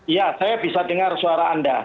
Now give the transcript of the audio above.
iya saya bisa dengar suara anda